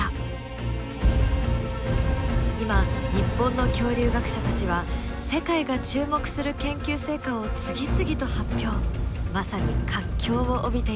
今日本の恐竜学者たちは世界が注目する研究成果を次々と発表まさに活況を帯びています。